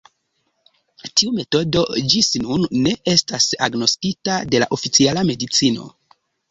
Tiu metodo ĝis nun ne estas agnoskita de la oficiala medicino!